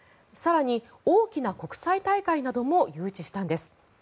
更に大きな国際大会なども誘致したんです。